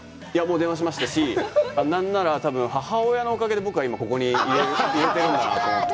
電話しましたし、何なら、多分、母親のおかげで僕は今、ここにいれてるんだなって。